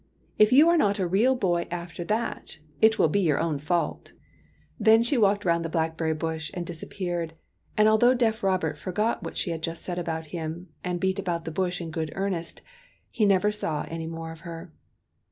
If you are not a real boy after that, it will be your own fault !" Then she walked round the blackberry bush and dis appeared; and although deaf Robert forgot what she had just said about him and beat about that bush in good earnest, he never saw any more of her.